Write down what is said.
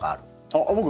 あっ僕？